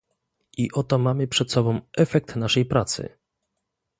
I oto mamy przed sobą efekt naszej pracy